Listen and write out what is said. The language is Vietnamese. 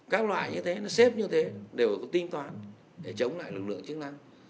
các loại như thế nó xếp như thế đều có tinh toán để chống lại lực lượng chức năng